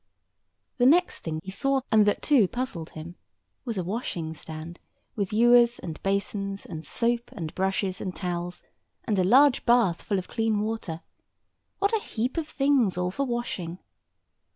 The next thing he saw, and that too puzzled him, was a washing stand, with ewers and basins, and soap and brushes, and towels, and a large bath full of clean water—what a heap of things all for washing!